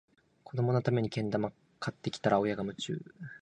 子どものためにけん玉買ってきたら、親が夢中